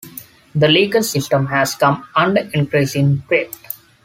The legal system has come under increasing threat.